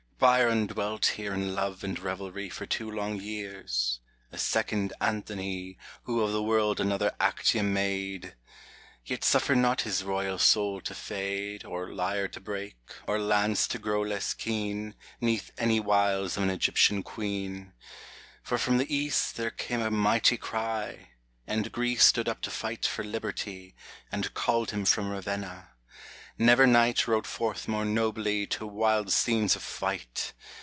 Byron dwelt here in love arid revelry For two long years — a second Anthony, Who of the world another Actium made !— Yet suffered not his royal soul to fade, Or lyre to break, or lance to grow less keen, 'Neath any wiles of an Egyptian queen. For from the East there came a mighty cry, And Greece stood up to fight for Liberty, And called him from Ravenna : never knight Rode forth more nobly to wild scenes of fight